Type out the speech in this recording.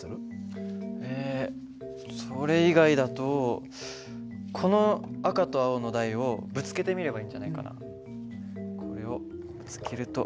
えそれ以外だとこの赤と青の台をぶつけてみればいいんじゃないかな。これをぶつけると。